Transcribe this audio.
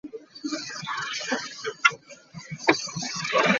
Omusango gw'edda tegukutwaza lumu .